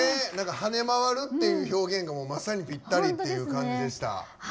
跳ね回るっていう表現がまさにぴったりっていう感じでした。